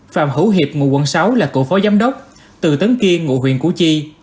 phạm hữu hiệp ngụ quận sáu là cựu phó giám đốc từ tấn kiên ngụ huyện củ chi